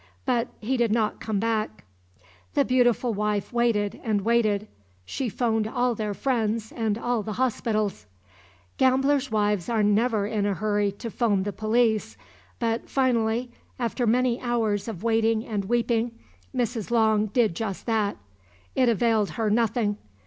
But he did not come back. The beautiful wife waited and waited. She phoned all their friends and all the hospitals. Gamblers' wives are never in a hurry to phone the police but finally, after many hours of waiting and weeping, Mrs. Long did just that. It availed her nothing.